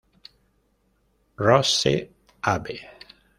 Rose ave.